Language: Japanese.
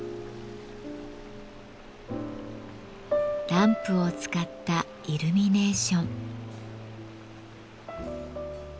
ランプを使ったイルミネーション。